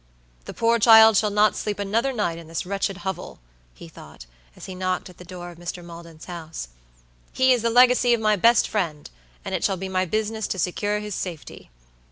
"The poor child shall not sleep another night in this wretched hovel," he thought, as he knocked at the door of Mr. Maldon's house. "He is the legacy of my best friend, and it shall be my business to secure his safety."